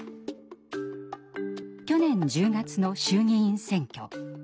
去年１０月の衆議院選挙。